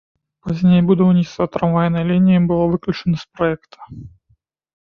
Пазней будаўніцтва трамвайнай лініі было выключана з праекта.